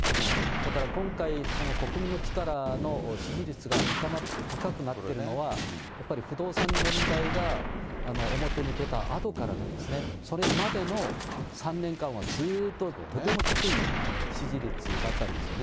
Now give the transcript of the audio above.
だから今回、国民の力の支持率が高くなっているのは、やっぱり不動産問題が表に出たあとからなんですね。それまでの３年間は、ずーっととても低い支持率だったんですよね。